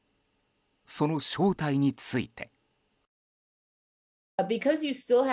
その正体について。